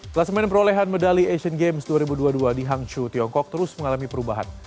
kelas main perolehan medali asian games dua ribu dua puluh dua di hangzhou tiongkok terus mengalami perubahan